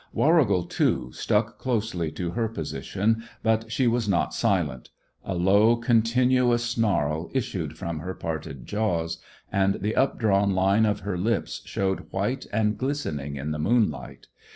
Warrigal, too, stuck closely to her position, but she was not silent; a low, continuous snarl issued from her parted jaws, and the updrawn line of her lips showed white and glistening in the moonlight.